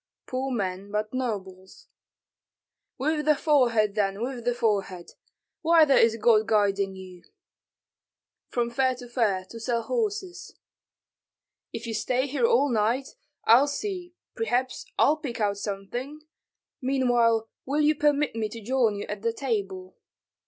"Poor men, but nobles." "With the forehead, then, with the forehead. Whither is God guiding you?" "From fair to fair, to sell horses." "If you stay here all night, I'll see, perhaps I'll pick out something. Meanwhile will you permit me to join you at the table?"